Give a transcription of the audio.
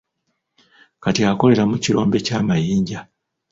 Kati akolera mu kirombe ky'amayinja.